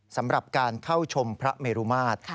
สำหรับการเข้าชมพระเมรุมาตร